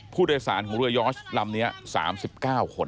ผู้โดยสารของเรือยอร์ชลำนี้๓๙คน